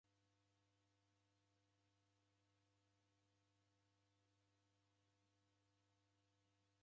Wa kadadu waw'angwagha Wakesho na oka na mwaka ghumweri na nusu.